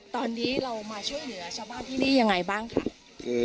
ตอนนี้เรามาช่วยเหลือชาวบ้านที่นี่ยังไงบ้างค่ะ